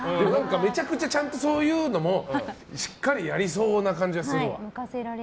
めちゃくちゃ、そういうのもしっかりやりそうな感じがするわ。